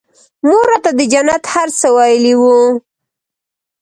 مور راته د جنت هر څه ويلي وو.